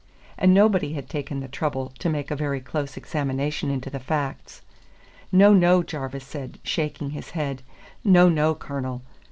And nobody had taken the trouble to make a very close examination into the facts. "No, no," Jarvis said, shaking his head, "No, no, Cornel.